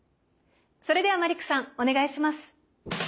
それではマリックさんお願いします。